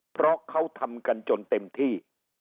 เพราะเขาทำกันจนเต็มที่